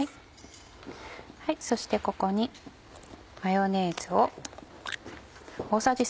そしてここにマヨネーズを大さじ３。